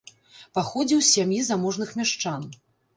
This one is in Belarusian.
Паходзіў з сям'і заможных мяшчан.